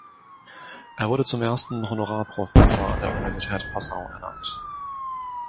Er wurde zum ersten Honorarprofessor an der Universität Passau ernannt.